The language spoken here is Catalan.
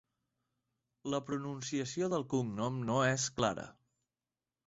La pronunciació del cognom no és clara.